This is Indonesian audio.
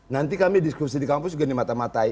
nanti kami diskusi di kampus juga dimata matai